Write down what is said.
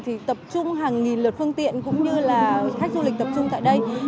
thì tập trung hàng nghìn lượt phương tiện cũng như là khách du lịch tập trung tại đây